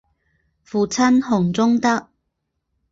父亲洪宗德。